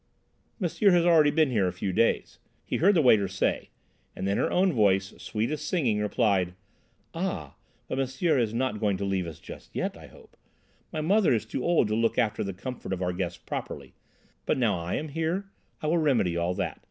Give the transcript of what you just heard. "M'sieur has already been here a few days," he heard the waiter say; and then her own voice, sweet as singing, replied— "Ah, but M'sieur is not going to leave us just yet, I hope. My mother is too old to look after the comfort of our guests properly, but now I am here I will remedy all that."